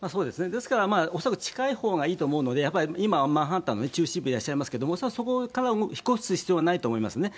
ですから、恐らく近いほうがいいと思うので、今、マンハッタンの中心にいらっしゃいますけれども、恐らくそこから引っ越す必要はないと思いますね。